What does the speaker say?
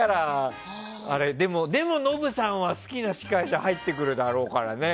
でも、ノブさんは好きな司会者に入ってくるだろうからね。